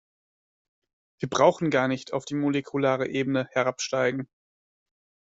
Wir brauchen gar nicht auf die molekulare Ebene herabsteigen.